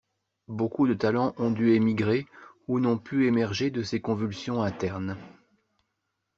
Beaucoup de talents ont dû émigrer ou n'ont pu émerger de ces convulsions internes.